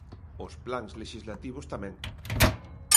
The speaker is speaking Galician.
Os plans lexislativos tamén.